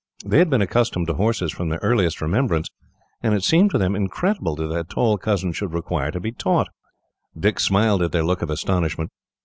They had been accustomed to horses from their earliest remembrance, and it seemed to them incredible that their tall cousin should require to be taught. Dick smiled at their look of astonishment.